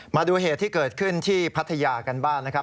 มาดูเหตุที่เกิดขึ้นที่พัทยากันบ้างนะครับ